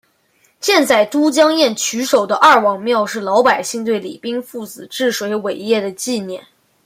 建在都江堰渠首的二王庙是老百姓对李冰父子治水伟业的纪念。